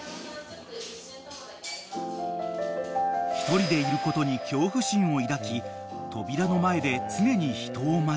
［１人でいることに恐怖心を抱き扉の前で常に人を待つ］